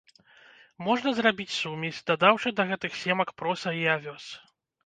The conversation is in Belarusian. Можна зрабіць сумесь, дадаўшы да гэтых семак проса і авёс.